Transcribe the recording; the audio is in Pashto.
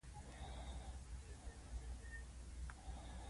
بوټونه د اوږدو سفرونو ملګري وي.